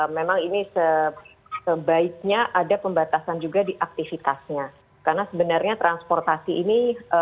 memang ini sebaiknya ada pembatasan juga di aktivitasnya karena sebenarnya transportasi ini